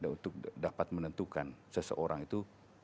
untuk dapat menentukan seseorang itu